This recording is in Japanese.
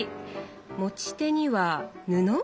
持ち手には布？